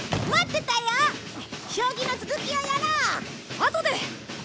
あとで！